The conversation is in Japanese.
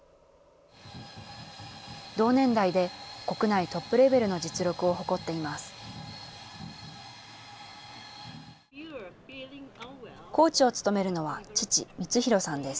同年代で国内トップレベルの実力を誇っています。